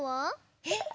えっ⁉